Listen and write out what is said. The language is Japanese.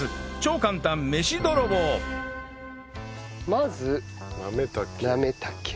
まずなめ茸。